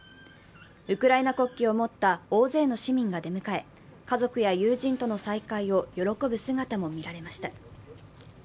ウクライナ国旗を持った大勢の市民が出迎え家族や友人との再会を喜ぶ姿も見られました。